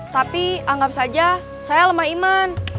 tapi anggap saja saya lemah iman